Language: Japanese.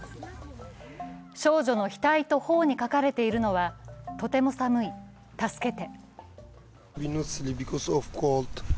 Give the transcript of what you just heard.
少女の額と頬に書かれているのは、とても寒い、助けて。